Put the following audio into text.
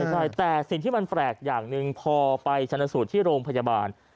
ใช่แต่สิ่งที่มันแปลกอย่างหนึ่งพอไปชนสูตรที่โรงพยาบาล